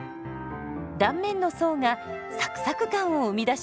断面の層がサクサク感を生み出します。